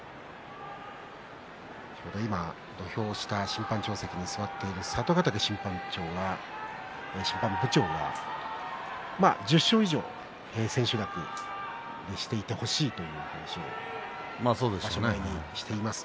土俵下、審判長席に座っている佐渡ヶ嶽審判部長が１０勝以上、千秋楽にしていてほしいという話をしていました。